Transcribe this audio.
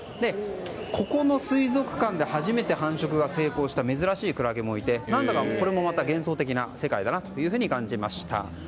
ここの水族館で初めて繁殖に成功した珍しいクラゲもいて幻想的な世界だなと感じました。